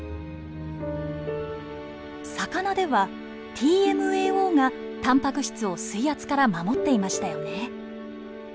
魚ではＴＭＡＯがたんぱく質を水圧から守っていましたよね。